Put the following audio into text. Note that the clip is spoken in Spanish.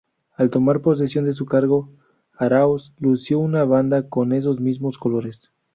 Al tomar posesión de su cargo, Aráoz lució una banda con esos mismos colores.